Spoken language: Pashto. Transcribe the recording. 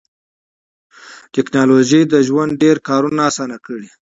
ټکنالوژي د ژوند ډېر کارونه اسانه کړي